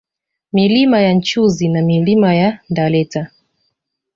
Milima ya Nchuzi na Milima ya Ndaleta